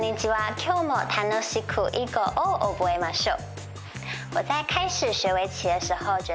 今日も楽しく囲碁を覚えましょう。